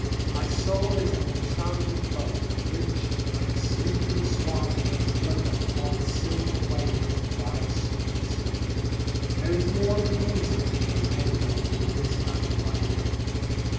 My soul is an enchanted boat Which, like a sleeping swan, doth float Upon the silver waves of thy sweet singing. There is more of music than painting in this kind of writing.